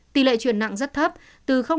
tỷ lệ chuyển nặng rất thấp từ hai đến sáu